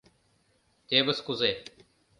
Тевыс кузе...